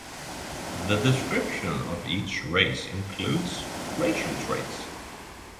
The description of each race includes racial traits.